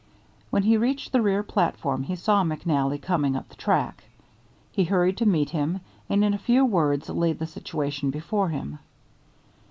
When he reached the rear platform he saw McNally coming up the track. He hurried to meet him, and in a few words laid the situation before him.